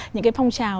những cái phong trào